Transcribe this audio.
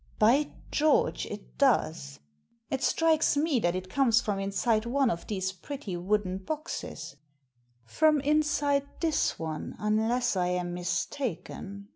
"By George! it does! It strikes me that it comes from inside one of these pretty wooden boxes — from inside this one, unless I am mistaken."